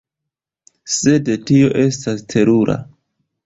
Sed tio estas terura!